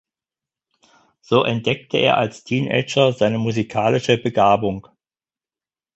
So entdeckte er als Teenager seine musikalische Begabung.